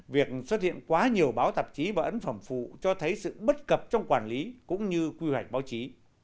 việc xuất hiện quá nhiều báo tạp chí và ấn phẩm phụ cho thấy sự bất cập trong quản lý cũng như quy hoạch báo chí